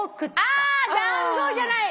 あ団子じゃない！